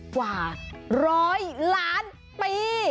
กว่าร้อยล้านปี